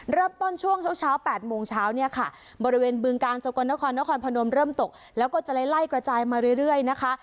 เริ่มต้นช่วงเช้าเช้า๘โมงเช้าเนี่ยค่ะบริเวณบึงกาลสกลนครนครพนมเริ่มตกแล้วก็จะได้ไล่กระจายมาเรื่อยนะคะ